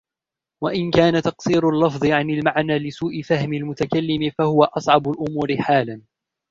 وَإِنْ كَانَ تَقْصِيرُ اللَّفْظِ عَنْ الْمَعْنَى لِسُوءِ فَهْمِ الْمُتَكَلِّمِ فَهُوَ أَصْعَبُ الْأُمُورِ حَالًا